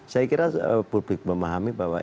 saya kira publik memahami bahwa